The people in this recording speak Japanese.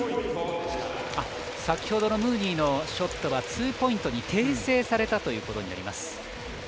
先ほどのムーニーのショットはツーポイントに訂正されたということであります。